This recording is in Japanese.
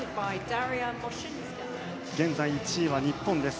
現在１位は日本です。